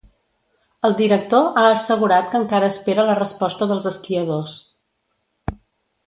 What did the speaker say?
El director ha assegurat que encara espera la resposta dels esquiadors.